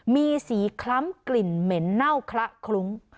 มีสีคล้ำกลิ่นเหม็นเน่าคละคลุ้ง